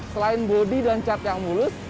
selain bodi dan cat yang mulus